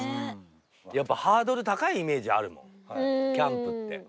やっぱハードル高いイメージあるキャンプって。